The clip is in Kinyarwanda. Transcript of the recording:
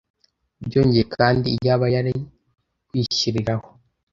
byongeye kandi iyaba yari kwishyiriraho